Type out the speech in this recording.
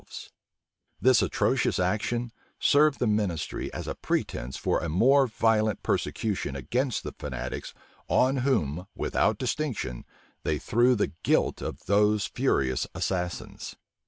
[Illustration: 1 822 sharpe.jpg ARCHBISHOP SHARPE] This atrocious action served the ministry as a pretence for a more violent persecution against the fanatics, on whom, without distinction, they threw the guilt of those furious assassins.